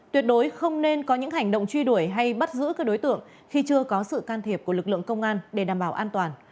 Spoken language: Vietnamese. tuyệt đối không nên có những hành động truy đuổi hay bắt giữ các đối tượng khi chưa có sự can thiệp của lực lượng công an để đảm bảo an toàn